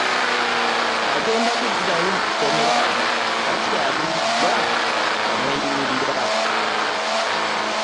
Agenda kuddayo mu kkomera anti abuliddwa amweyimirira.